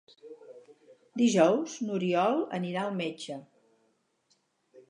Dijous n'Oriol anirà al metge.